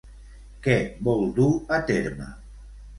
Què vol dur a terme?